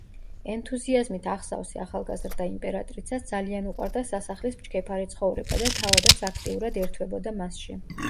ენთუზიაზმით აღსავსე ახალგაზრდა იმპერატრიცას ძალიან უყვარდა სასახლის მჩქეფარე ცხოვრება და თავადაც აქტიურად ერთვებოდა მასში.